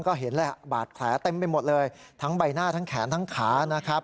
ก็เห็นแหละบาดแผลเต็มไปหมดเลยทั้งใบหน้าทั้งแขนทั้งขานะครับ